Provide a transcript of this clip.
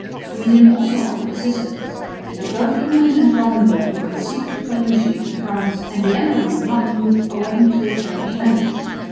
Sweden also offered assistance. But both England and Brandenburg were in secret collusion with France, and the emperor would not move owing to the Turkish menace.